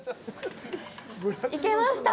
行けました。